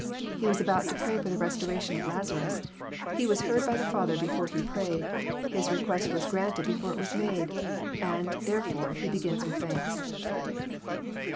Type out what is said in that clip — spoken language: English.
He was about to pray for the resurrection of Lazaras. He was heard by the Father before He prayed ; His request was granted before it was made ; and, therefore. He begins with thanks."